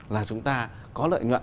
là chúng ta có lợi nhuận